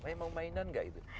saya mau mainan nggak itu